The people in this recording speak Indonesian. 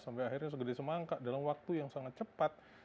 sampai akhirnya segedi semangka dalam waktu yang sangat cepat